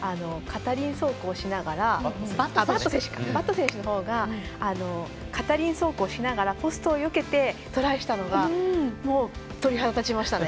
バット選手が片輪走行しながらポストをよけてトライしたのがもう鳥肌立ちましたね。